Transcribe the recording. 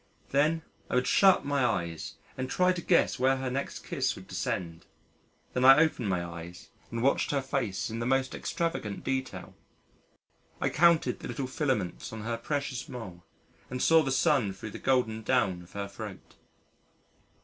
... Then I would shut my eyes and try to guess where her next kiss would descend. Then I opened my eyes and watched her face in the most extravagant detail, I counted the little filaments on her precious mole and saw the sun thro' the golden down of her throat....